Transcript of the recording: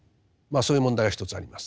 そういう問題が一つあります。